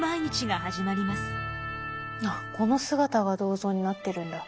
あっこの姿が銅像になってるんだ。